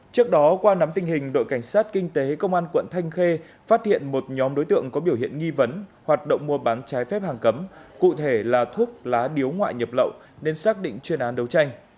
trước đó qua nắm tình hình đội cảnh sát kinh tế công an quận thanh khê phát hiện một nhóm đối tượng có biểu hiện nghi vấn hoạt động mua bán trái phép hàng cấm cụ thể là thuốc lá điếu ngoại nhập lậu nên xác định chuyên án đấu tranh